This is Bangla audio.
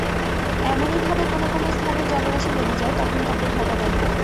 এমনইভাবে কোনো কোনো স্থানের জলরাশি নেমে যায়, তখন তাকে ভাটা বলে।